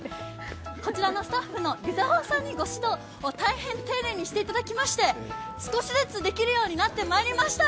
こちらのスタッフの方にご指導を大変丁寧にしていただきまして、少しずつできるようになってまいりました。